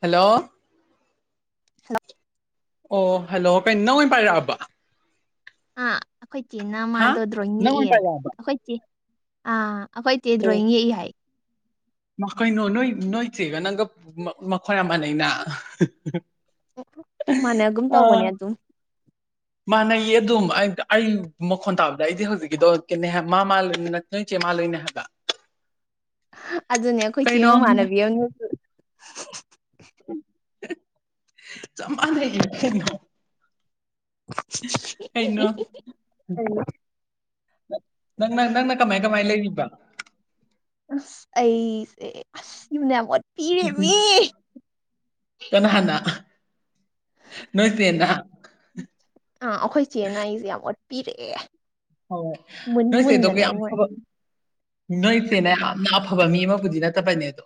Hello [inaudible] ꯑꯣ hello ꯀ ꯅꯪ ꯑꯣꯏꯅ ꯄꯥꯏꯔꯛꯑꯕ ꯑꯥ ꯑꯩꯈꯣꯏ ꯏꯆꯦꯅ ꯍꯥ ꯃꯥꯗꯣ ꯗ꯭ꯔꯣꯋꯤꯡ ꯅꯪ ꯑꯣꯏꯅ ꯌꯦꯛꯑꯦꯅ ꯄꯥꯏꯔꯛꯑꯕ ꯑꯩꯈꯣꯏ ꯆꯦ ꯑꯥ ꯑꯩꯈꯣꯏꯗꯤ ꯗ꯭ꯔꯣꯋꯤꯡ ꯌꯦꯛꯏ ꯍꯥꯏ ꯃꯈꯣꯏꯅꯣ ꯅꯣꯏ ꯅꯣꯏ ꯆꯩꯒ ꯅꯪꯒ ꯃꯈꯣꯏꯔꯥ ꯃꯅꯅ ꯃꯥꯅꯒꯨꯝ ꯇꯧꯕꯅꯦ ꯑꯗꯨꯝ ꯃꯥꯥꯟꯅꯩꯌꯦ ꯑꯗꯨꯝ ꯑꯩ ꯃꯈꯣꯟ ꯇꯥꯕꯗ ꯑꯩꯗꯤ ꯍꯧꯖꯤꯛꯀꯤꯗꯣ ꯀꯅꯦ ꯃꯥ ꯃꯥꯜꯂꯅꯤꯅ ꯅꯣꯏ ꯆꯦ ꯃꯥꯂꯣꯏꯅꯦ ꯍꯥꯏꯕ ꯑꯗꯨꯅꯦ ꯑꯩꯈꯣꯏ ꯆꯦ ꯀꯩꯅꯣ ꯃꯃꯥꯟꯅꯕꯤ ꯑꯃꯅꯦ ꯆꯄꯃꯅꯤꯌꯦ ꯀꯩꯅꯣ ꯀꯩꯅꯣ [unintelligible] ꯅꯪ ꯅꯪ ꯅ ꯀꯃ ꯃꯥꯏ ꯀ ꯃꯥꯏ ꯂꯩꯔꯤꯕ ꯑꯁ ꯑꯩꯁꯦ ꯑꯁ ꯃꯌꯥꯝ ꯀꯅꯥ ꯍꯅ ꯅꯣꯏ ꯆꯦꯅꯥ ꯑꯥ ꯑꯩꯈꯣꯏ ꯏ ꯆꯦꯅ ꯑꯩꯁꯦ ꯌꯥꯝ ꯑꯣꯠꯄꯤꯔꯛꯑꯦ꯫ ꯍꯣꯏꯣꯏ ꯃꯨꯟ ꯅꯣꯏꯁꯦꯗ ꯃꯨꯟꯗꯅ ꯌꯥꯝ ꯑꯩꯉꯣꯟ ꯐꯕ ꯅꯣꯏ ꯏꯁꯦꯅ ꯌꯥꯝꯅ ꯑꯐꯕ ꯃꯤ ꯑꯃꯕꯨꯗꯤ ꯅꯠꯇꯕꯅꯦ ꯑꯗꯣ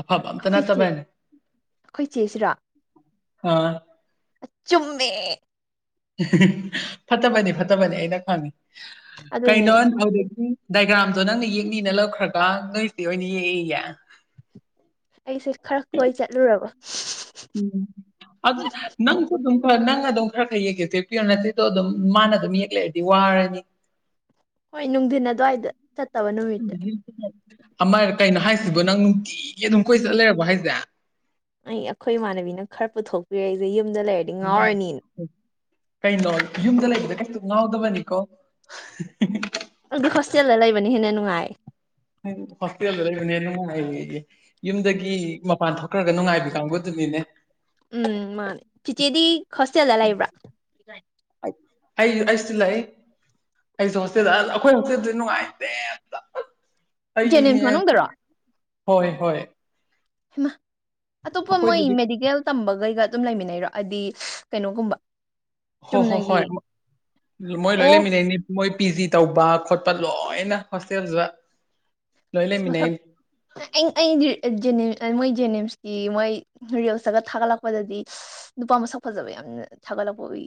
ꯑꯐꯕ ꯑꯝꯇ ꯑꯩꯈꯣꯏ ꯅ ꯆꯦ ꯆꯕꯥꯏꯅꯦ ꯑꯩꯈꯣꯏ ꯆꯦꯁꯤꯔꯣ ꯑꯥ ꯆꯨꯝꯃꯦ꯫ ꯐꯠꯇꯕꯅꯤ ꯐꯠꯇꯕꯅꯤ ꯑꯩꯅ ꯈꯪꯉꯤ ꯑꯗꯨꯅꯤ ꯀꯩꯅꯣ ꯍꯧꯖꯤꯛꯇꯤ ꯗꯥꯏꯒ꯭ꯔꯥꯝꯗꯣ ꯅꯪꯅ ꯌꯦꯛꯅꯤꯅ ꯂꯧꯈ꯭ꯔꯒ ꯅꯣꯏꯆꯦ ꯑꯣꯏꯅ ꯌꯦꯛꯑꯦꯌꯦ꯫ ꯑꯩꯁꯦ ꯈꯔ ꯈꯣꯏ ꯆꯠꯂꯨꯔꯕ ꯎꯝ ꯑꯗꯨ ꯅꯪꯁꯨ ꯑꯗꯨꯝ ꯈꯔ ꯅꯪꯅ ꯑꯗꯨꯝ ꯈꯔ ꯈꯔ ꯌꯦꯛꯀꯦꯁꯨ ꯌꯦꯛꯄꯤꯌꫭ ꯅꯠꯆꯦꯗꯣ ꯑꯗꯨꯝ ꯃꯥꯅ ꯑꯗꯨꯝ ꯌꯦꯛꯂꯩꯔꯗꯤ ꯗꯤ ꯋꯥꯔꯅꯤ ꯍꯣꯏ ꯅꯨꯡꯊꯤꯟ ꯑꯗꯨꯋꯥꯏꯗ ꯆꯠꯇꯕ ꯅꯨꯃꯤꯠꯇ ꯑꯃꯥꯏ ꯀꯩꯅꯣ ꯍꯥꯏꯁꯤꯕꯣ ꯅꯪ ꯅꯨꯡꯇꯤꯒꯤ ꯑꯗꯨꯝ ꯀꯣꯏ ꯆꯠꯂ ꯂꯩꯔꯕ ꯍꯥꯏꯁꯦ ꯑꯩ ꯑꯩꯈꯣꯏ ꯏꯃꯥꯟꯅꯕꯤꯅ ꯈꯔ ꯄꯨꯊꯣꯛꯄꯤꯔꯛꯏꯁꯦ ꯌꯨꯝꯗ ꯂꯩꯔ ꯌꯥ [unintelligible] ꯀꯩꯅꯣ ꯌꯨꯝꯗ ꯂꯩꯕꯗ ꯀꯩꯁꯨ ꯉꯥꯎꯗꯕꯅꯤꯀꯣ ꯑꯩꯗꯤ ꯍꫭꯁꯇꯦꯜꯗ ꯂꯩꯕꯅ ꯍꯦꯟꯅ ꯅꯨꯡꯉꯥꯏ ꯍꯣꯁꯇꯦꯜ ꯗ ꯂꯩꯕꯅ ꯍꯦꯟꯅ ꯅꯨꯪꯉꯥꯏꯌꯥꯌꯦ ꯫ ꯌꯨꯝꯗꯒꯤ ꯃꯄꯥꯟ ꯊꯣꯛꯈ꯭ꯔꯒ ꯅꯨꯡꯉꯥꯏꯕꯤ ꯀꯥꯡꯕꯨꯗꯨꯅꯤꯅꯦ꯫ ꯎꯝ ꯃꯥꯅꯦ ꯐꯤꯆꯦꯗꯤ ꯍꯣꯁꯇꯦꯜꯗ ꯂꯩꯕ꯭ꯔꯥ ꯑꯩ ꯑꯩꯁꯨ ꯂꯩ꯫ ꯑꯩꯁꯨ ꯍꯣꯁꯇꯦꯜꯗ ꯑꯩꯈꯣꯏ ꯍꯣꯁꯇꯦꯜꯗꯤ ꯅꯨꯡꯉꯥꯏꯇꯦ ꯑꯝ ꯖꯦꯅꯤꯝꯁ ꯑꯩꯗꯤꯅꯦ ꯃꯅꯨꯡꯗꯔꯣ ꯍꯣꯏ ꯍꯣꯏ ꯃ ꯑꯇꯣꯞꯄ ꯃꯣꯏ ꯑꯩꯈꯣꯏꯗꯨꯗꯤ ꯃꯦꯗꯤꯀꯦꯜ ꯇꯝꯕꯒꯩꯒ ꯑꯗꯨꯝ ꯂꯩꯃꯤꯟꯅꯩꯔꯣ ꯍꯥꯏꯗꯤ ꯀꯩꯅꯣꯒꯨꯝꯕ ꯍꯣ ꯍꯣ ꯆꯨꯝꯅꯒꯤ ꯍꯣꯏ ꯃꯣꯏ ꯂꯣꯏ ꯑꯣ ꯂꯩꯃꯤ ꯏꯅꯦꯅꯦ ꯃꯣꯏ ꯄꯤ ꯖꯤ ꯇꯧꯕ ꯈꯣꯠꯄ ꯂꯣꯏꯅ ꯍꯣꯁꯇꯦꯜꯁꯤꯗ ꯑꯁ ꯃꯁꯛ ꯑꯩ ꯑꯩꯗꯤ ꯖꯦꯅꯤꯝ ꯃꯣꯏ ꯖꯦꯅꯤꯝꯁꯀꯤ ꯃꯣꯏ ꯔꯤꯌꯦꯜꯁꯇꯒ ꯊꯥꯒꯠꯂꯛꯄꯗꯗꯤ ꯅꯨꯄꯥ ꯃꯁꯛ ꯐꯖꯕ ꯌꯥꯝꯅ ꯊꯥꯒꯠꯂꯛꯄ ꯎꯏ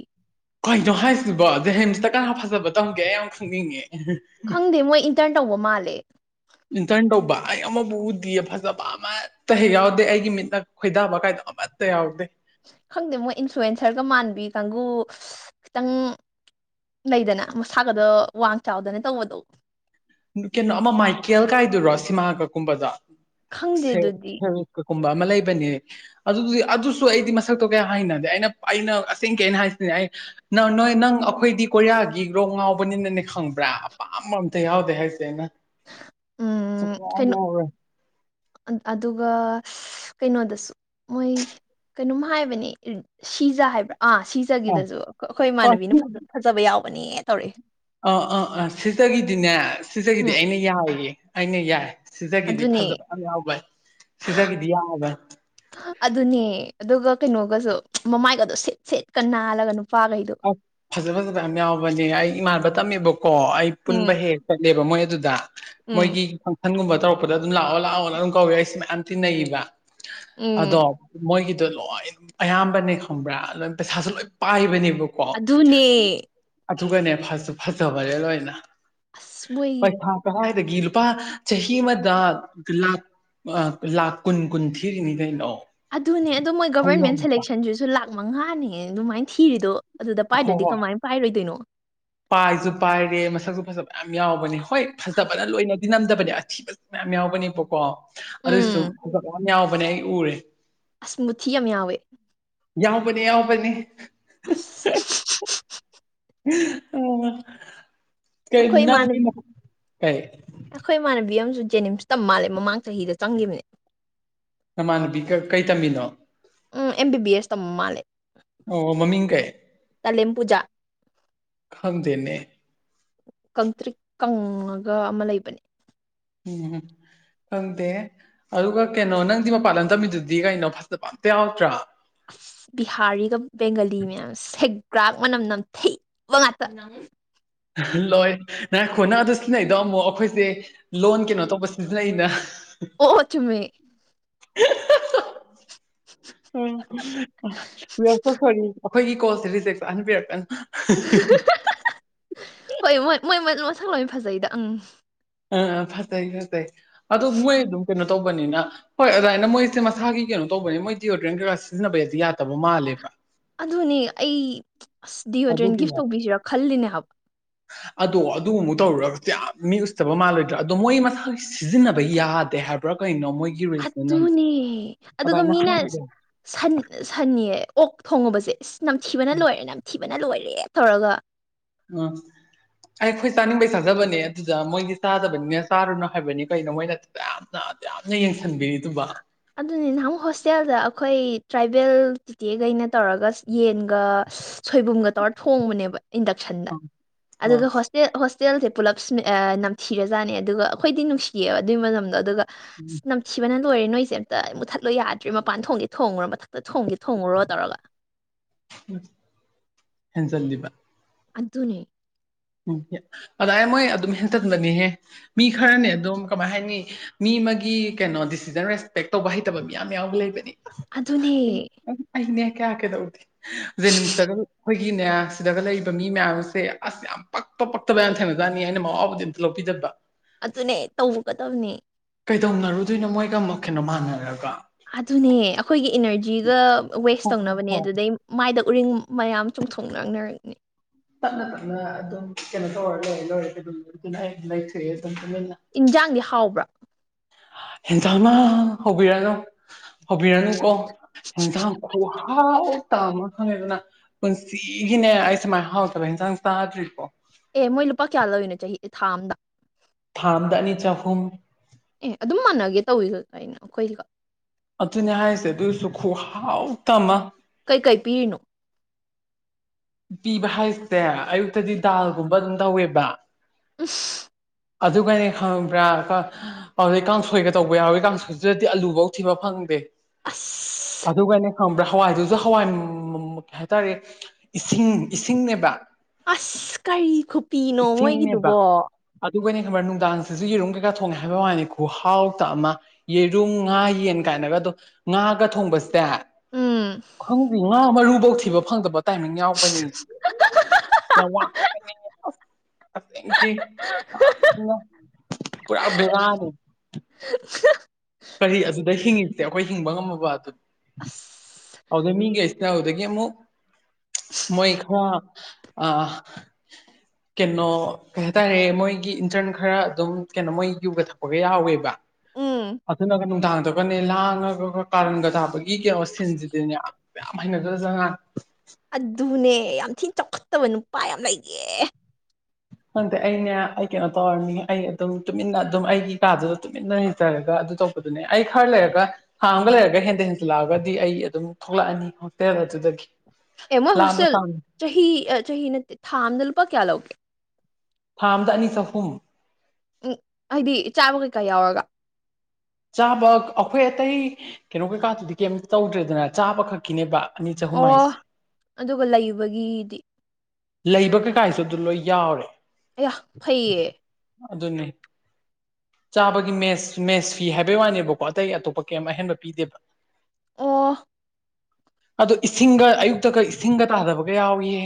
ꯀꯩꯅꯣ ꯍꯥꯏꯁꯤꯕꯣ ꯖꯦꯍꯤꯝꯁꯇ ꯀꯅꯥ ꯐꯖꯕ ꯇꯧꯒꯦ ꯑꯩ ꯌꯥꯝ ꯈꯪꯅꯤꯡꯉꯦ ꯈꯪꯗꯦ ꯃꯣꯏ ꯏꯟꯇꯔꯟ ꯇꯧꯕ ꯃꯥꯜꯂꯦ ꯏꯟꯇꯔꯟ ꯇꯧꯕ ꯑꯩ ꯑꯃꯕꯨ ꯎꯗꯤꯌꯦ ꯐꯖꯕ ꯑꯃ ꯇꯦꯛ ꯌꯥꯎꯗꯦ ꯑꯩꯒꯤ ꯃꯤꯠꯅ ꯈꯣꯏꯗꯥꯕ ꯀꯥꯏꯗꯣ ꯑꯃꯠꯇ ꯌꯥꯎꯗꯦ ꯈꯪꯗꯦ ꯃꯣꯏ ꯏꯟꯐ꯭ꯂꯨꯋꯟꯁꯔꯒ ꯃꯥꯟꯕꯤ ꯀꯥꯡꯒꯨ ꯈꯤꯇꯪ ꯂꯩꯗꯅ ꯃꯁꯥꯒꯗꫭ ꯋꯥꯡ ꯆꯥꯎꯗꯅ ꯇꯧꯕꯗꯣ ꯀꯩꯅꯣ ꯑꯃ ꯃꯥꯏꯀꯦꯜ ꯀꯥꯏꯗꯨꯔꯣ ꯁꯤꯃꯥꯒ ꯈꯪꯗꯦ ꯀꯨꯝꯕꯗꫭ ꯑꯗꯨꯗꯤ ꯀꯨꯀꯨꯝꯕ ꯑꯃ ꯂꯩꯕꯅꯦ ꯑꯗꯨꯗꯤ ꯑꯗꯨꯁꯨ ꯑꯩꯗꯤ ꯃꯁꯛꯇꯣ ꯀꯌꯥ ꯍꯥꯏꯅꯗꯦ ꯑꯩꯅ ꯑꯩꯅ ꯑꯁꯦꯡ ꯀꯩꯅ ꯍꯥꯏꯁꯤꯅꯦ ꯑꯩ ꯅꯪ ꯅꯣꯏ ꯅꯪ ꯑꯩꯈꯣꯏꯗꯤ ꯀꯣꯔꯤꯌꯥꯒꯤ ꯔꯣ ꯉꯥꯎꯕꯅꯤꯅꯅꯦ ꯈꯪꯕ꯭ꯔꯥ ꯑꯄꯥꯝꯕ ꯑꯝꯇ ꯌꯥꯎ ꯍꯥꯏꯅ ꯎꯝ ꯀꯩꯅꯣ ꯑꯗꯨꯒ ꯀꯩꯅꯣꯗꯁꯨ ꯃꯣꯏ ꯀꯩꯅꯣꯝ ꯍꯥꯏꯕꯅꯦ ꯁꯤꯖ ꯍꯥꯏꯕ꯭ꯔꯥ ꯑꯥ ꯁꯤꯖ ꯑꯥ ꯄꯖꯒꯤꯗꯁꯨ ꯑꯥ ꯑꯩꯈꯣꯏꯃꯥꯟꯅꯕꯤꯅ ꯐꯖꯕ ꯌꯥꯎꯕꯅꯦ ꯇꯧꯔꯛꯏꯦ ꯑꯥ ꯑꯥ ꯑꯥ ꯁꯤꯇꯒꯤꯗꯤꯅꯦ ꯁꯤꯇꯒꯤꯗꯤ ꯎꯝ ꯑꯩꯅ ꯌꯥꯏꯌꯦ ꯑꯩꯅ ꯌꯥꯏ ꯁꯤꯖꯒꯤꯗꯤ ꯑꯗꯨꯅꯦ ꯐꯖꯕ ꯌꯥꯝ ꯌꯥꯎꯕꯩ ꯁꯤꯖꯒꯤꯗꯤ ꯌꯥꯕꯣꯏ ꯑꯗꯨꯅꯦ ꯑꯗꯨꯒ ꯀꯩꯅꯣꯒꯁꯨ ꯃꯃꯥꯏꯒꯗꯣ ꯁꯦꯠ ꯁꯦꯠꯀ ꯅꯥꯜꯂꯒ ꯅꯨꯄꯥꯈꯩꯗꯣ ꯐꯖ ꯑꯁ ꯐꯖꯕ ꯌꯥꯝ ꯌꯥꯎꯕꯅꯦ ꯑꯩ ꯏꯃꯥꯟꯅꯕ ꯇꯝꯃꯦꯕꯀꯣ ꯑꯩ ꯄꯨꯟꯕ ꯎꯝ ꯍꯦꯛ ꯍꯦꯛ ꯆꯠꯂꯦꯕ ꯃꯣꯏ ꯑꯗꯨꯗ ꯎꯝ ꯃꯣꯏꯒꯤ ꯃꯟꯒꯨꯝꯕ ꯇꯧꯔꯛꯄꯗ ꯑꯗꯨꯝ ꯂꯥꯛꯑꯣ ꯂꯥꯛꯑꯣꯅ ꯑꯗꯨꯝ ꯀꯧꯏꯦ ꯑꯩꯦ ꯃꯌꯥꯝ ꯊꯤꯟꯅꯩꯕ ꯑꯗꯣ ꯎꯝ ꯃꯣꯏꯒꯤꯗꯣ ꯂꯣꯏ ꯑꯌꯥꯝꯕꯅꯦ ꯈꯪꯕ꯭ꯔꯥ ꯂꫭꯏꯝ ꯄꯩꯁꯥꯁꯨ ꯂꯣꯏ ꯄꯥꯏꯕꯅꯦꯕꯀꯣ ꯑꯗꯨꯅꯦ ꯑꯗꯨꯒꯅꯦ ꯐꯁꯨ ꯐꯖꯕꯔꯦ ꯂꯣꯏꯅ ꯑꯁ ꯃꯣꯏ ꯄꯩꯁꯥ ꯀꯗ ꯒꯤꯂ ꯄ ꯆꯍꯤꯍꯤ ꯃꯗꯥ ꯂ ꯂꯥꯛꯈ ꯀꯨꯟ ꯀꯨꯟ ꯊꯤꯔꯤꯉꯩ ꯀꯩꯅꯥꯛꯑꯣ ꯑꯗꯨꯅꯦ ꯑꯗꯣ ꯃꯣꯏ ꯒꯕꯔꯃꯦꯟ ꯁꯦꯂꯦꯛꯁꯟꯁꯤꯁꯨ ꯂꯥꯛ ꯃꯉꯥꯅꯦ ꯑꯗꯨꯃꯥꯏꯅ ꯊꯤꯔꯤꯗꯣ ꯑꯗꯨꯗ ꯍꯣꯏ ꯄꯥꯏꯗ꯭ꯔꯗꯤ ꯍꯣꯏ ꯀꯃꯥꯏꯅ ꯄꯥꯏꯔꯣꯏꯗꯣꯏꯅꯣ ꯄꯥꯏꯁꯨ ꯄꯥꯏꯔꯦ ꯃꯁꯛꯁꯨ ꯐꯖꯕ ꯌꯥꯝ ꯌꯥꯎꯕꯅꯦ ꯍꯣꯏ ꯐꯖꯕꯅ ꯂꯣꯏꯅꯗꯤ ꯅꯝꯗꯕꯅꯦ ꯑꯊꯤꯕꯗ ꯃꯌꯥꯝ ꯌꯥꯎꯕꯅꯦꯕꯀꯣ ꯑꯗꯨꯏꯁꯨ ꯎꯝ ꯑ ꯌꯥꯝ ꯌꯥꯎꯕꯅꯦ ꯑꯩ ꯎꯔꯦ ꯑꯁꯃꯨꯊꯤ ꯌꯥꯝ ꯌꯥꯎꯋꯦ ꯌꯥꯎꯕꯅꯦ ꯌꯥꯎꯕꯅꯤ [unintelligible] ꯑꯣ ꯑꯈꯣꯏ ꯏꯃꯥꯅꯕꯤ ꯀꯩ ꯑꯩꯈꯣꯏ ꯏꯃꯥꯟꯅꯕꯤ ꯑꯃꯁꯨ ꯖꯦꯅꯤꯝꯁ ꯇꯝ ꯃꯥꯜꯂꯦ ꯃꯃꯥꯡ ꯆꯍꯤꯗ ꯆꯪꯈꯤꯕꯅꯦ ꯅꯃꯥꯟꯅꯨꯄꯤꯒ ꯀꯩ ꯇꯝꯃꯤꯅꯣ ꯎꯝ ꯑꯦꯝ ꯕꯤ ꯕꯤ ꯑꯦꯁ ꯇꯝꯕ ꯃꯥꯜꯂꯦ ꯑꯣ ꯃꯃꯤꯡ ꯀꯩ ꯇꯥꯂꯦꯝ ꯄꯨꯖꯥ ꯈꯥꯟꯗꯦꯅꯦ ꯀꯪꯇ꯭ꯔꯤꯛ ꯀꯪꯉꯒ ꯑꯃ ꯂꯩꯕꯅꯦ ꯎꯝꯝ ꯈꯪꯗꯦ ꯑꯗꯨꯒ ꯀꯩꯅꯣ ꯅꯪꯗꯤ ꯃꯄꯥꯟ ꯂꯝꯗꯝꯃꯤꯗꯨꯗꯤ ꯀꯩꯅꯣ ꯐꯖꯇ ꯄ ꯑꯝꯇ ꯌꯥꯎꯗ꯭ꯔꯥ ꯑꯁ ꯕꯤꯍꯥꯔꯤꯒ ꯕꯦꯡꯒꯥꯂꯤ ꯃꯌꯥꯝ ꯁꯦꯒ꯭ꯔꯥꯛ ꯃꯅꯝ ꯅꯝꯊꯩꯕ ꯉꯇꯅ ꯂꯣꯏ ꯅꯔꯈꯣꯅ ꯑꯗꯨ ꯁꯤꯖꯤꯟꯅꯩꯗꯣ ꯑꯃꯨꯛ ꯑꯩꯈꯣꯏꯁꯦ ꯂꯣꯟ ꯀꯩꯅꯣ ꯇꯧꯕ ꯁꯤꯖꯤꯟꯅꯩꯅ ꯑꯣ ꯆꯨꯝꯃꯦ ꯍ ꯎꯝ ꯋꯤ ꯑ ꯁꯣ ꯁꯣꯔꯤ ꯑꯩꯈꯣꯏꯒꯤ ꯀꯣꯜꯁꯦ ꯔꯤꯖꯦꯞ ꯆꯍꯟꯕꯤꯔꯛꯀꯅ [unintelligible] ꯍꯣꯏ ꯃꯣꯏ ꯃꯣꯏ ꯃꯣꯟꯁꯪ ꯂꯣꯏ ꯐꯖꯩꯗ ꯑꯪ ꯑ ꯐꯖꯩ ꯐꯖꯩ ꯑꯗꯣ ꯃꯣꯏ ꯑꯗꯨꯝ ꯀꯩꯅꯣ ꯇꯧꯕꯅꯤꯅ ꯍꯣꯏ ꯑꯗꯨꯃꯥꯏꯅ ꯃꯣꯏꯁꯦ ꯃꯁꯥꯒꯤ ꯀꯩꯅꯣ ꯇꯧꯕꯅꯦ ꯃꯣꯏ ꯗꯤꯑꯣꯗ꯭ꯔꯦꯟ ꯀꯩꯀꯥꯁ ꯁꯤꯖꯤꯟꯅꯕꯩꯗꯤ ꯌꯥꯗꯕ ꯃꯥꯜꯂꯦꯕ ꯑꯗꯨꯅꯦ ꯑꯩ ꯑꯁ ꯗꯤꯌꯣꯗ꯭ꯔꯦꯟ ꯒꯤꯐ ꯑꯗꯨꯒꯤꯅꯦ ꯇꯧꯕꯤꯁꯤꯔꯥ ꯈꯜꯂꯤꯅꯦ ꯍꯥꯏꯕ ꯑꯗꯣ ꯑꯗꯨꯒꯨꯝꯃꯨꯛ ꯇꯧꯔꯨꯔꯒꯁꯨ ꯌꯥꯝ ꯃꯤ ꯎꯠꯇꯕ ꯃꯥꯜꯂꯣꯏꯗ꯭ꯔꯥ ꯑꯗꯣ ꯃꯣꯏ ꯃꯁꯥꯁꯤ ꯁꯤꯖꯤꯟꯅꯕ ꯌꯥꯗꯦ ꯍꯥꯏꯕ ꯄꯨꯔꯥ ꯀꯩꯅꫭ ꯃꯣꯏꯒꯤ ꯔꯤꯖꯟ ꯑꯃ ꯍꯥꯠꯇꯨꯅꯦ ꯑꯗꯨꯒ ꯑꯗꯨꯃꯥꯏꯅ ꯃꯤꯅ ꯍꯥꯏꯕꯅꯦ ꯁꯟ ꯁꯟꯌꯦ ꯑꯣꯛ ꯊꯣꯡꯉꯨꯕꯁꯦ ꯅꯝꯊꯤꯕꯅ ꯂꯣꯏꯔꯦ ꯅꯝꯊꯤꯕꯅ ꯂꯣꯏꯔꯦ ꯇꯧꯔꯒ ꯎꯝ ꯑꯩ ꯑꯩꯈꯣꯏ ꯆꯥꯅꯤꯡꯕꯩ ꯆꯥꯖꯕꯅꯦ ꯑꯗꯨꯗ ꯃꯣꯏꯗꯤ ꯆꯥꯗꯕꯅꯤꯅ ꯆꯥꯔꯨꯅꯨ ꯍꯥꯏꯕꯅꯤ ꯀꯩꯅꯣ ꯃꯣꯏꯅ ꯌꯥꯝꯅ ꯑꯗꯨꯌꯥꯝꯅ ꯌꯦꯡꯁꯤꯟꯕꯤꯔꯤꯗꯨꯕꫭ ꯑꯗꯨꯅꯤ ꯅꯍꯪ ꯍꯣꯁꯇꯦꯜꯗ ꯑꯩꯈꯣꯏ ꯇ꯭ꯔꯥꯏꯕꯦꯜ ꯇꯤꯊꯦꯈꯩꯅ ꯇꯧꯔꯒ ꯌꯦꯟ ꯁꯣꯏꯕꯨꯝꯒ ꯇꯧꯔ ꯊꯣꯡꯕꯅꯦꯕ ꯏꯟꯗꯛꯁꯟꯗ ꯑ ꯑꯗꯨꯒ ꯍ ꯍꯣꯁꯇꯦꯜꯁꯦ ꯄꯨꯜꯂꯞ ꯅꯝꯊꯤꯔꯖꯥꯠꯅꯦ ꯑꯗꯨꯒ ꯑꯩꯈꯣꯏꯗꯤ ꯅꯨꯡꯁꯤꯌꯦꯕ ꯑꯗꯨꯒꯤ ꯃꯗꯣ ꯑꯗꯨꯒ ꯅꯝꯁꯤꯕꯅꯅ ꯂ ꯑꯣꯏꯔꯦ ꯅꯣꯏꯁꯦ ꯇ ꯃꯨꯊꯠꯂꯣꯏ ꯌꯥꯗ꯭ꯔꯤ ꯃꯄꯥꯟ ꯊꯣꯡꯒꯦ ꯊꯣꯡꯉꯨꯔꯣ ꯃꯊꯛꯇ ꯊꯣꯡꯒꯦ ꯊꯣꯡꯉꯨꯔꯣ ꯇꯧꯔꯒ ꯍ ꯆꯜꯂꯤꯕ ꯑꯗꯨꯅꯦ ꯎꯝ ꯑꯗꯨꯗꯥꯏ ꯃꯣꯏ ꯑꯗꯨꯝ ꯍꯦꯟꯇꯟꯕꯅꯦꯍꯦ ꯃꯤ ꯈꯔꯅꯦ ꯑꯗꯨꯝ ꯀꯃꯥꯏ ꯍꯥꯏꯅꯤ ꯃꯤ ꯑꯃꯒꯤ ꯀꯩꯅꯣ ꯗꯤꯁꯤꯖꯟ ꯔꯦꯁꯄꯦꯛ ꯇꯧꯕ ꯍꯩꯇꯕ ꯃꯤꯌꯥꯝ ꯌꯥꯎꯕ ꯂꯩꯕꯅꯤ ꯑꯗꯨꯅꯦ ꯑꯩꯅ ꯀꯌꯥ ꯀꯗꯧꯗ ꯖꯦꯅꯤꯝꯁꯇꯒ ꯑꯩꯈꯣꯏꯒꯤꯅꯦ ꯁꯤꯗꯒ ꯂꯩꯕ ꯃꯤ ꯃꯌꯥꯝ ꯑꯁꯦ ꯑꯁ ꯌꯥꯝ ꯄꯛꯄ ꯄꯛꯇꯕ ꯌꯥꯝꯅ ꯊꯦꯡꯅꯗꯥꯅꯤ ꯑꯩꯅ ꯃꯋꯥꯎꯕꯨꯗꯤ ꯑꯝꯇ ꯂꯧꯕꯤꯖꯕ ꯑꯗꯨꯅꯦ ꯇꯧꯕꯤꯒꯗꯕꯅꯤ ꯀꯩꯗꯧꯅꯔꯨꯗꯣꯏꯅꯣ ꯃꯣꯏꯒ ꯑꯃꯨꯛ ꯀꯩꯅꯣ ꯃꯥꯟꯅꯔꯒ ꯑꯗꯨꯅꯦ ꯑꯩꯈꯣꯏꯒꯤ ꯏꯅꯔꯖꯤꯒ ꯋꯦꯁ ꯍꯣꯏ ꯍꯣꯏ ꯇꯧꯅꯕꯅꯦ ꯍꯣꯏ ꯑꯗꯨꯗꯩ ꯃꯥꯏꯗ ꯎꯔꯤꯡ ꯃꯌꯥꯝ ꯆꯨꯝꯊꯣꯛꯅꯛꯅꯔꯛꯅꯤ ꯇꯞꯅ ꯇꯞꯅ ꯑꯗꯨꯝ ꯀꯩꯅꯣ ꯇꯧꯔ ꯂꯣꯏꯔꯦ ꯂꯣꯏꯔꯦ ꯑꯗꯨ ꯑꯗꯨꯝ ꯑꯗꯨꯅ ꯑꯩ ꯂꯩꯊꯣꯛꯑꯦ ꯑꯗꯨꯝ ꯇꯨꯃꯤꯟꯅ ꯏꯟꯖꯥꯡꯗꯤ ꯍꯥꯎꯕ꯭ꯔꯥ ꯍꯦꯟꯖꯥꯡꯃ ꯍꯧꯕꯤꯔꯅꯨ ꯍꯧꯕꯤꯔꯅꯨ ꯀꯣ ꯍ ꯈꯍꯥꯎ ꯇꯃ ꯈꯪꯉꯦꯗꯅ ꯄꯨꯟꯁꯤꯒꯤꯅꯦ ꯑꯩ ꯁꯨꯃꯥꯏꯅ ꯍꯥꯎꯇꯕ ꯍꯤꯟꯁꯥꯡ ꯆꯥꯗ꯭ꯔꯤꯀꯣ ꯑꯦ ꯃꯣꯏ ꯂꯨꯄꯥ ꯀꯌꯥ ꯂꯧꯔꯤꯅꯣ ꯆꯍꯤ ꯊꯥ ꯑꯝꯗ ꯊꯥꯝꯗ ꯑꯅꯤ ꯆꯍꯨꯝ ꯑꯦ ꯑꯗꯨꯝ ꯃꯥꯟꯅꯒꯦ ꯇꯧꯋꯤꯒ ꯀꯣ ꯑꯩꯈꯣꯏꯒ ꯑꯗꯨꯅꯦ ꯍꯥꯏꯔꯤꯁꯦ ꯑꯗꯨꯁꯨ ꯈꯨꯍꯥꯎ ꯇ ꯑꯃ ꯀꯩꯀꯩ ꯄꯤꯔꯤꯅꯣ ꯄꯤꯕ ꯍꯥꯏꯁꯦ ꯑꯌꯨꯛꯇꯗꯤ ꯗꯥꯜꯒꯨꯝꯕ ꯑꯗꯨꯝ ꯇꯧꯋꯦꯕ ꯎꯝꯝ ꯑꯗꯨꯒꯅꯦ ꯈꯪꯕ꯭ꯔꯥ ꯀ ꯄꯗꯩ ꯀꯥꯡꯁꯣꯏꯒ ꯇꯧꯕ ꯌꯥꯎꯋꯤ ꯀꯥꯡꯁꯣꯏꯗꯨꯗꯗꯤ ꯑꯂꯨꯕꯧ ꯊꯤꯕ ꯐꯪꯗꯦ ꯑꯁ ꯑꯗꯨꯒꯅꯦ ꯈꯪꯕ꯭ꯔꯥ ꯍꯋꯥꯏꯗꯨꯁꯨ ꯍꯋꯥꯏ ꯀꯩ ꯍꯥꯏꯇꯥꯔꯦ ꯏꯁꯤꯡ ꯏꯁꯤꯡꯅꯦꯕ ꯑꯁ ꯀꯔꯤ ꯈꯨꯄꯤꯅꯣ ꯃꯣꯏꯒꯤꯗꯨꯕꯣ ꯑꯗꯨꯒꯅꯤ ꯈꯪꯕ꯭ꯔ ꯅꯨꯡꯗꯥꯡꯁꯤꯁꯨ ꯌꯦꯔꯨꯝ ꯀꯩꯀꯥ ꯊꯣꯡꯉꯦ ꯍꯥꯏꯕ ꯋꯥꯅꯤ ꯈꯨꯍꯥꯎꯇ ꯑꯃ ꯌꯦꯔꯨꯝ ꯉꯥ ꯌꯦꯟ ꯀꯥꯏꯅꯒ ꯑꯗꯨꯝ ꯉꯥꯒ ꯊꯣꯡꯕꯁꯦ ꯎꯝ ꯈꯪꯗꯦ ꯉꯥ ꯃꯔꯨꯕꯧ ꯊꯤꯕ ꯐꯪꯗꯕ ꯇꯥꯏꯃꯤꯡ ꯌꯥꯎꯕꯅꯤ ꯌꯥꯝ ꯋꯥꯕꯅꯤ ꯑꯁ ꯑꯁꯦꯡꯀꯤ ꯌꯥꯝꯅ ꯄꯨꯔꯥ ꯕꯦꯔꯥꯅꯦ ꯍꯥꯡ [unintelligible] ꯀꯔꯤ ꯑꯗꯨꯗ ꯍꯤꯡꯉꯇꯦ ꯑꯩꯈꯣꯏ ꯍꯤꯡꯕ ꯉꯝꯃꯕ ꯑꯗꯨ ꯑꯁ ꯍꯗ ꯃꯤꯒꯩꯁꯦ ꯍ ꯍꯧꯗꯒꯦ ꯑꯃꯨ ꯃꯣꯏ ꯏ ꯈ ꯑ ꯀꯩꯅꯣ ꯀꯩ ꯍꯥꯏꯇꯥꯔꯦ ꯃꯣꯏꯒꯤ ꯏꯟꯇꯔꯟ ꯈꯔ ꯑꯗꯨꯝ ꯀꯩꯅꯣ ꯃꯣꯏ ꯌꯨꯒ ꯊꯛꯄꯒ ꯌꯥꯎꯋꯦꯕ ꯎꯝ ꯑꯗꯨꯅꯒ ꯅꯨꯡꯗꯥꯡꯗꯒꯅꯦ ꯂꯥꯡꯉꯒꯒ ꯀꯥꯔꯟꯒ ꯊꯥꯕꯒꯤ ꯀꯩꯅꯣ ꯁꯤꯟꯁꯤꯗꯤꯅꯦ ꯃ ꯍꯅꯗ꯭ꯔꯖꯍꯥꯟ ꯑꯗꯨꯅꯦ ꯌꯥꯝ ꯊꯤꯅ ꯆꯥꯎꯈꯠꯇꯕ ꯅꯨꯄꯥ ꯌꯥꯝ ꯂꯩꯇꯦ ꯈꯪꯗꯦ ꯑꯩꯅꯦ ꯑꯩ ꯀꯩꯅꯣ ꯇꯧꯔꯅꯤ ꯑꯩ ꯑꯗꯨꯝ ꯇꯨꯃꯤꯟꯅ ꯑꯗꯨꯝ ꯑꯩꯒꯤ ꯀꯥꯗꯨꯗ ꯇꯨꯃꯤꯟꯅ ꯂꯩꯖꯔꯒ ꯑꯗꯨ ꯇ ꯑꯗꯨꯅꯦ ꯑꯩ ꯈꯔ ꯂꯩꯔꯒ ꯍꯥꯡꯒ ꯂꯩꯔꯒ ꯍꯦꯟꯗ ꯍꯦꯟꯖꯤꯜꯂꯛꯑꯒꯗꯤ ꯑꯩ ꯑꯗꯨꯝ ꯊꯣꯛꯂꯛꯑꯅꯤ ꯍꯣꯁꯇꯦꯜ ꯑꯗꯨꯗꯒꯤ ꯑꯦ ꯃꯣꯏ ꯂꯥꯞꯅ ꯍꯣꯁꯦꯜ ꯇꯥꯡ ꯆꯍꯤ ꯆꯍꯤꯅ ꯊꯥ ꯑꯝꯗ ꯂꯨꯄꯥ ꯀꯌꯥ ꯂꯧꯒꯦ ꯊꯥꯝꯗ ꯑꯅꯤ ꯆꯍꯨꯝ ꯎꯝ ꯍꯥꯏꯗꯤ ꯆꯥꯕ ꯀꯩꯀꯥ ꯌꯥꯎꯔꯒ ꯆꯥꯕ ꯑꯩꯈꯣꯏ ꯑꯇꯩ ꯀꯩꯅꯣ ꯀꯩꯀꯥꯗꯨꯗꯤ ꯀꯩꯝꯇ ꯇꯧꯗ꯭ꯔꯦꯗꯅ ꯆꯥꯕ ꯈꯛꯀꯤꯅꯦꯕ ꯑꯅꯤ ꯆꯥꯍꯨꯝ ꯑꯣ ꯍꯥꯏꯁꯦ ꯑꯗꯨꯒ ꯂꯩꯕꯒꯤꯗꯤ ꯂꯩꯕ ꯀꯩꯀꯥꯁꯨ ꯑꯗꯨ ꯂꯣꯏ ꯌꯥꯎꯔꯦ ꯑꯩꯍ ꯐꯩꯌꯦ ꯑꯗꯨꯅꯤ ꯆꯥꯕꯒꯤ ꯃꯦꯁ ꯃꯦꯁ ꯐꯤ ꯍꯥꯏꯕꯩ ꯋꯥꯅꯦꯕꯀꯣ ꯑꯇꯩ ꯑꯇꯣꯞꯄ ꯀꯩ ꯑꯍꯦꯟꯕ ꯄꯤꯗꯦꯕ ꯑꯣ ꯑꯗꯣ ꯏꯁꯤꯡꯒ ꯑꯌꯨꯛꯇꯒ ꯏꯁꯤꯡꯒ ꯇꯥꯗꯕꯒ ꯌꯥꯎꯏꯌꯦ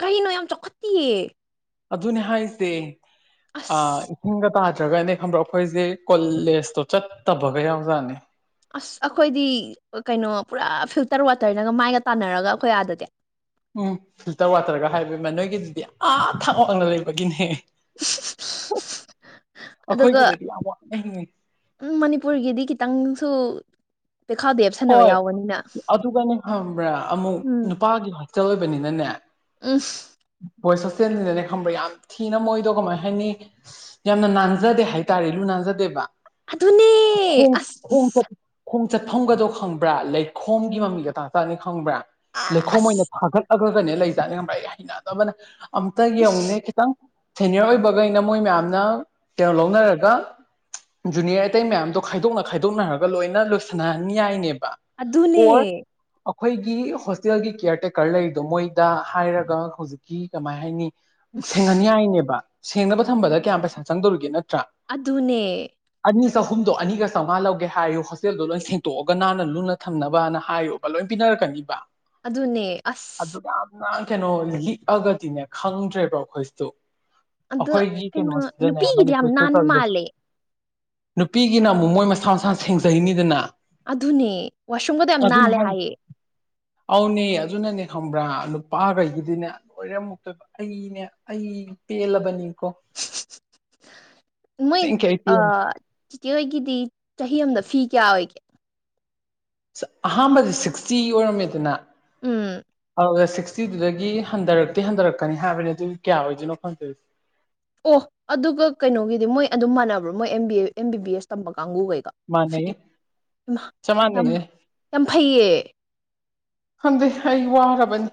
ꯀꯩꯅꯣ ꯌꯥꯝ ꯆꯥꯎꯈꯠꯇꯤꯌꯦ ꯑꯗꯨꯅꯦ ꯍꯥꯏꯁꯦ ꯑꯁ ꯏꯁꯤꯡꯒ ꯇꯥꯗ꯭ꯔꯒꯅꯦ ꯍ꯭ꯔꯣ ꯑꯩꯈꯣꯏꯁꯦ ꯀꯣꯂꯦꯖꯇꯣ ꯆꯠꯇꯕꯒ ꯌꯥꯎꯖꯥꯠꯅꯤ ꯑꯁ ꯑꯩꯈꯣꯏꯗꯤ ꯀꯩꯅꯣ ꯄꯨꯔꯥ ꯐꯤꯜꯇꯔ ꯋꯥꯇꯔꯅꯒ ꯃꯥꯏꯒ ꯇꯥꯟꯅꯔꯒ ꯑꯩꯈꯣꯏ ꯑꯥꯗꯗꯤꯦ ꯎꯝ ꯐꯤꯜꯇꯔ ꯋꯥꯇꯔꯒ ꯍꯥꯏꯕ ꯏꯃ ꯅꯣꯏꯒꯤꯗꯨꯗꯤ ꯑꯥ ꯊꯥꯡ ꯋꯥꯡꯅ ꯂꯩꯕꯒꯤꯅꯦ ꯑꯗꯨꯒ ꯑꯈꯣꯏꯒꯤꯗꯗꯤ ꯌꯥꯝ ꯎꯝ ꯃꯅꯤꯄꯨꯔꯒꯤꯗꯤ ꯈꯤꯇꯪꯁꯨ ꯄꯈꯥꯗꯦꯕ ꯍꯣꯏ ꯑꯗꯨꯒꯅꯦ ꯈꯪꯕ꯭ꯔꯥ ꯑꯃꯨꯛ ꯅꯨꯄꯥꯒꯤ ꯍꯛꯆꯦꯜ ꯑꯣꯏꯕꯅꯤꯅꯅꯦ ꯎꯐ ꯚꯣꯏꯁ ꯑꯁꯇꯦꯟꯁꯤꯅꯅꯦ ꯈꯪꯕ꯭ꯔꯥ ꯌꯥꯝ ꯊꯤꯅ ꯃꯣꯏꯗꯣ ꯀꯃꯥꯏꯅ ꯍꯥꯏꯅꯤ ꯌꯥꯝꯅ ꯅꯥꯟꯖꯗꯦ ꯍꯥꯏꯇꯥꯔꯦ ꯂꯨ ꯅꯥꯟꯖꯗꯦꯕ ꯑꯗꯨꯅꯦ ꯈ ꯈꯣꯡ ꯆ ꯑꯁ ꯈꯣꯡ ꯆꯠꯐꯝꯒꯗꯣ ꯈꯪꯕ꯭ꯔꯥ ꯂꯩꯈꯣꯝꯒꯤ ꯃꯃꯤꯒ ꯇꯥꯡꯇꯥꯛꯅꯤ ꯈꯪꯕ꯭ꯔꯥ ꯂꯩꯈꯣꯝ ꯑꯣꯏꯅ ꯑꯁ ꯊꯥꯒꯠꯂꯒ ꯀꯩꯅ ꯂꯩꯖꯥꯠꯅꯤ ꯈꯪꯕ꯭ꯔꯥ ꯍꯩꯅꯗꯣ ꯑꯃꯅ ꯑꯝꯇ ꯌꯦꯡꯉꯨꯅꯦ ꯎꯁ ꯈꯤꯇꯪ ꯁꯦꯅꯤꯌꯔ ꯑꯣꯏꯕꯈꯩꯅ ꯃꯣꯏ ꯃꯌꯥꯝꯅ ꯇꯣ ꯂꯧꯅꯔꯒ ꯖꯨꯅꯤꯌꯔ ꯑꯇꯩ ꯃꯌꯥꯝꯗꯣ ꯈꯥꯏꯗꯣꯛꯅ ꯈꯥꯏꯗꯣꯛꯅꯔꯒ ꯂꯣꯏꯅ ꯂꯣꯏꯁꯤꯟꯅꯅꯍꯟ ꯌꯥꯏꯅꯦ ꯑꯣ ꯑꯗꯨꯅꯦ ꯑꯩꯈꯣꯏꯒꯤ ꯍꯣꯁꯇꯦꯜꯒꯤ ꯀꯤꯌꯔ ꯇꯦꯛꯀꯔ ꯂꯩꯗꯣ ꯃꯣꯏꯗ ꯍꯥꯏꯔꯒ ꯍꯧꯖꯤꯛꯀꯤ ꯀꯃꯥꯏ ꯍꯥꯏꯅꯤ ꯁꯦꯡꯍꯟ ꯎꯁ ꯌꯥꯏꯅꯦꯕ ꯁꯦꯡꯅꯕ ꯊꯝꯕꯗ ꯀꯌꯥꯝ ꯄꯩꯁꯥ ꯆꯪꯗꯧꯔꯤꯒꯦ ꯅꯠꯇ꯭ꯔꯥ ꯑꯗꯨꯅꯦ ꯑꯅꯤ ꯆꯍꯨꯝꯗꯣ ꯑꯅꯤ ꯆꯥꯝꯉꯥ ꯂꯧꯒꯦ ꯍꯥꯏꯔꯣ ꯍꯣꯁꯇꯦꯜꯗꯣ ꯂꯣꯏ ꯁꯦꯡꯇꯣꯛꯑꯒꯅꯥ ꯅ ꯂꯨꯅ ꯊꯝꯅꯕꯅ ꯍꯥꯏꯔꯨꯕ ꯂꯣꯏꯅ ꯄꯤꯅꯔꯛꯀꯅꯤꯕ ꯑꯗꯨꯅꯦ ꯑꯁ ꯅ ꯀꯩꯅꯣ ꯂꯤꯛꯑꯒꯗꯤꯅꯦ ꯈꯪꯗ꯭ꯔꯦꯕꯣ ꯑꯩꯈꯣꯏꯁꯤꯇꯣ ꯑꯗ ꯑꯩꯈꯣꯏꯒꯤ ꯀꯩꯅꯣ ꯀꯩꯅꯣꯁꯤꯗꯅꯦ ꯅꯨꯄꯤꯒꯤꯗꯤ ꯌꯥꯝ ꯃꯅꯤꯄ ꯅꯥꯟꯕ ꯇꯗ ꯃꯥꯜꯂꯦ ꯅꯨꯄꯤꯒꯤꯅ ꯑꯃꯨꯛ ꯃꯣꯏ ꯃꯁꯥ ꯃꯁꯥ ꯁꯦꯡꯖꯩꯅꯤꯗꯅ ꯑꯗꯨꯅꯦ ꯋꯥꯁꯔꯨꯝꯒꯗ ꯌꯥꯝ ꯑꯗꯨꯅꯦ ꯅꯥꯜꯂꯦ ꯍꯥꯏ ꯍꯥꯏꯌꯦ ꯑꯧꯅꯦ ꯑꯗꯨꯅꯅꯦ ꯈꯪꯕ꯭ꯔꯥ ꯅꯨꯄꯥꯈꯩꯒꯤꯗꯤꯅꯦ ꯂꯣꯏꯔꯝꯃꯨꯛꯇꯣꯏꯕ ꯑꯩꯅꯦ ꯑꯩ ꯄꯦꯜꯂꯕꯅꯤꯀꯣ ꯃꯣꯏ ꯑꯁꯦꯡꯀꯤ ꯑꯩ ꯄꯦꯟꯂꯦ ꯆꯤꯆꯤꯍꯣꯏꯒꯤꯗꯤ ꯆꯍꯤ ꯑꯃꯗ ꯐꯤ ꯀꯌꯥ ꯑꯣꯏꯒꯦ ꯑꯍꯥꯟꯕꯗꯤ ꯁꯤꯛꯁꯇꯤ ꯑꯣꯏꯔꯝꯃꯦꯗꯅ ꯎꯝ ꯑꯣ ꯁꯤꯛꯁꯇꯤꯗꯨꯗꯒꯤ ꯍꯟꯊꯔꯛꯇꯤ ꯍꯟꯊꯔꯛꯀꯅꯤ ꯍꯥꯏꯕꯅꯤ ꯑꯗꯨ ꯀꯌꯥ ꯑꯣꯏꯗꯣꯏꯅꯣ ꯈꯪꯗꯣꯏꯔꯤꯁꯦ ꯑꯣ ꯑꯗꯨꯒ ꯀꯩꯅꯣꯒꯤꯗꯤ ꯃꯣꯏ ꯑꯗꯨꯝ ꯃꯥꯟꯅꯕ꯭ꯔꯣ ꯃꯣꯏ B M B B S ꯇꯝꯕ ꯀꯥꯡꯒꯕꯨꯈꯩꯒ ꯃꯥꯟꯅꯩꯌꯦ ꯆꯞ ꯌꯥꯝ ꯃꯥꯟꯅꯩꯌꯦ ꯌꯥꯝ ꯐꯩꯌꯦ ꯈꯪꯗꯦ ꯑꯩ ꯋꯥꯔꯕꯅꯤ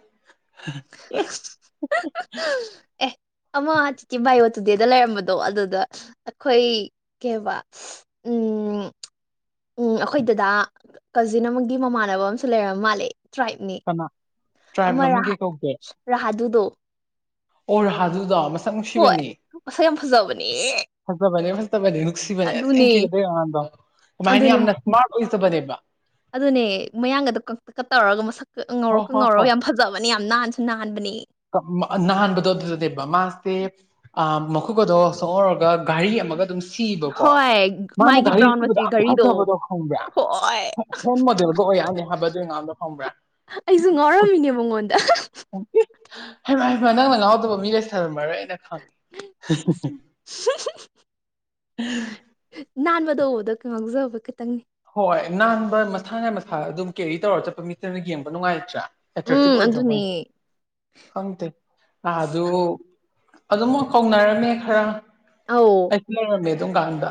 ꯑꯦ ꯑꯃ ꯆꯤꯇꯤ ꯕꯥꯏꯌꯑꯣ ꯇꯨꯗꯦꯗ ꯂꯩꯔꯝꯕꯗꯣ ꯑꯗꯨꯗ ꯑꯩꯈꯣꯏ ꯀꯩꯕ ꯎꯝ [inaudible] ꯎꯝ ꯑꯩꯈꯣꯏ ꯗꯗꯥ ꯀꯖꯤꯟ ꯑꯃꯒꯤ ꯃꯃꯥꯟꯅꯕ ꯑꯃꯁꯨ ꯂꯩꯔꯝ ꯃꯥꯜꯂꯦ ꯇ꯭ꯔꯥꯏꯕꯅꯤ ꯀꯅꯥ ꯇ꯭ꯔꯥꯏꯞ ꯑꯃ ꯃꯃꯤꯡ ꯀꯩ ꯀꯧꯒꯦ ꯔꯍꯥꯗꯨꯗꯣ ꯑꯣꯔ ꯍꯥꯖꯨꯗꯣ ꯍꯣꯏ ꯃꯁꯥ ꯌꯥꯝ ꯐꯖꯕꯅꯦ ꯐꯖꯕꯅꯦꯦ ꯐꯖꯕꯅꯦꯦ ꯅꯨꯡꯁꯤꯕꯅꯦ ꯑꯁꯦꯡ ꯑꯗꯨꯅꯦ ꯀꯗꯩ ꯑꯉꯥꯡꯗꯣ ꯑꯗꯨꯃꯥꯏꯅ ꯑꯗꯨꯅꯦ ꯌꯥꯝꯅ ꯏꯁꯃꯥꯔꯠ ꯑꯣꯏꯖꯕꯅꯦꯕ ꯑꯗꯨꯅꯦ ꯃꯌꯥꯡꯒꯗꯣ ꯀ ꯀ ꯇꯧꯔꯒ ꯃꯁꯛ ꯀ ꯉꯧꯔꯣ ꯍꯣꯏ ꯀ ꯍꯣꯏ ꯉꯧꯔꯣ ꯌꯥꯝ ꯐꯖ ꯐꯖꯕꯅꯤ ꯌꯥꯝ ꯅꯥꯟꯁꯨ ꯅꯥꯟꯕꯅꯤ ꯅꯍꯥꯟꯕꯨꯗꯣꯗꯗꯦꯕ ꯃꯥꯁꯦ ꯃꯈꯣꯛꯛ ꯑꯗꯣ ꯁꯣꯍꯧꯔꯒ ꯘꯔꯤ ꯑꯃꯒ ꯑꯗꯨꯝ ꯁꯤꯕꯀꯣ ꯍꯣꯏ ꯃꯥꯅ ꯃꯥꯒꯤ ꯒꯥꯔꯤ ꯕ꯭ꯔꯥꯎꯟ ꯁꯨꯕꯗ ꯃꯆꯨꯒꯤ ꯌꯥꯝ ꯘꯔꯤꯗꯣ ꯐꯖꯕꯗꯣ ꯈꯪꯗ꯭ꯔꯦ ꯍꯣꯏ ꯍꯦꯟ ꯃꯣꯗꯦꯜꯒ ꯑꯣꯏ ꯌꯥꯅꯤ ꯍꯥꯏꯕꯗꯨꯉꯥꯡꯗꯣ ꯐꯪꯕ꯭ꯔꯥ ꯑꯩꯁꯨ ꯉꯥꯎꯔꯝꯃꯤꯅꯦ ꯃꯉꯣꯟꯗ ꯍꯩꯃ ꯍꯃ ꯅꯪꯅ ꯉꯥꯎꯗꯕ ꯃꯤ ꯂꯩ ꯁꯥꯔꯝꯃꯔꯣꯏꯅ ꯈꯪꯉꯤ ꯁ [inaudible] ꯎꯝ ꯅꯥꯟꯕꯗꯧꯕꯗ ꯉꯥꯎꯖꯕ ꯈꯤꯇꯪꯅꯦ ꯍꯣꯏ ꯅꯥꯟꯕ ꯃꯁꯥꯅ ꯃꯁꯥ ꯑꯗꯨꯝ ꯀꯦꯔꯤ ꯇꯧꯔ ꯆꯠꯄ ꯃꯤꯇꯅ ꯌꯦꯡꯕ ꯅꯨꯡꯉꯥꯏꯇ꯭ꯔꯥ ꯑꯦꯇ꯭ꯔꯦꯛꯇꯤ ꯎꯝ ꯑꯣꯏꯗ꯭ꯔꯣ ꯑꯗꯨꯅꯦ ꯈꯪꯗꯦ ꯑ ꯑꯗꯨ ꯑꯗꯨꯝ ꯀꯧꯅꯔꯅꯦ ꯈꯔ ꯑꯧ ꯑꯩꯁꯨ ꯂꯩꯔꯝꯃꯦ ꯑꯗꯨꯝ ꯀꯥꯟꯗ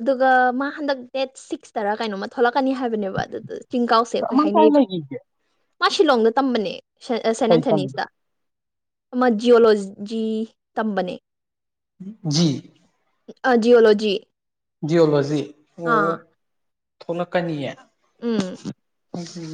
ꯑꯗꯨꯒ ꯃꯥ ꯍꯟꯗꯛ ꯗꯦꯠ ꯁꯤꯛꯁꯇꯔ ꯀꯩꯅꯣꯃ ꯊꯣꯛꯂꯛꯀꯅꯤ ꯍꯥꯏꯕꯅꯦꯕ ꯑꯗꯨꯗ ꯆꯤꯡꯀꯥꯎꯁꯦ ꯑꯩꯈꯣꯏ ꯑꯃ ꯀꯥꯏ ꯍꯥꯏꯅꯩꯕ ꯂꯩꯈꯤꯒꯦ ꯃꯥ ꯁꯤꯂꯣꯡꯗ ꯇꯝꯕꯅꯦ ꯁꯦꯟ ꯀꯩ ꯇꯝꯃꯤꯕ ꯑꯦꯟꯊꯅꯤꯁꯤꯇ ꯑꯃ ꯖꯤꯑꯣꯂꯣꯖꯤ ꯇꯝꯕꯅꯦ ꯖꯤ ꯖꯤ ꯑꯣꯂꯣꯖꯤ ꯖꯤꯑꯣꯣꯂꯣꯖꯤ ꯑꯣ ꯊꯣꯛꯂꯛꯀꯅꯤꯌꯦ ꯎꯝ ꯎꯝꯝ